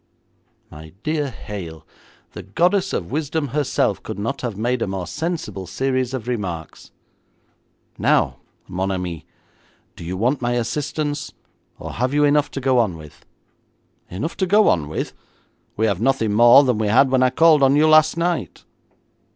'My dear Hale, the goddess of Wisdom herself could not have made a more sensible series of remarks. Now, mon ami, do you want my assistance, or have you enough to go on with?' 'Enough to go on with? We have nothing more than we had when I called on you last night.'